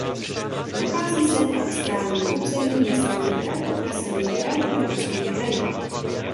Nachází se v katastrálním území města Nitra v okrese Nitra v Nitranském kraji.